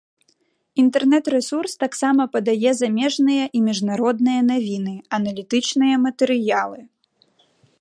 Інтэрнэт-рэсурс таксама падае замежныя і міжнародныя навіны, аналітычныя матэрыялы.